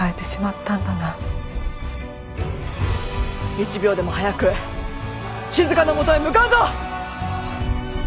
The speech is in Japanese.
１秒でも早くしずかのもとへ向かうぞ！